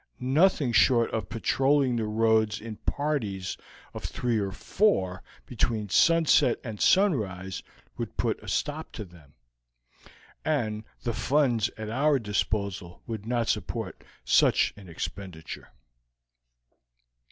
Nothing short of patrolling the roads in parties of three or four between sunset and sunrise would put a stop to them, and the funds at our disposal would not support such an expenditure."